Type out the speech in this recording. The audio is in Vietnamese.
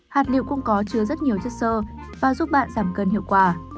hạt lựu cũng có chứa rất nhiều chất sơ và giúp bạn giảm cân hiệu quả